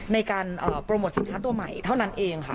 ในการโปรโมทสินค้าตัวใหม่เท่านั้นเองค่ะ